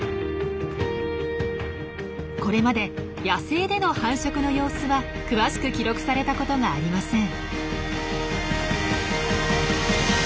これまで野生での繁殖の様子は詳しく記録されたことがありません。